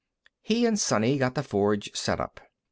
He and Sonny got the forge set up.